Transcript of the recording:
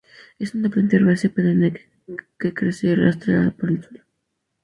Es una planta herbácea perenne que crece rastrera por el suelo.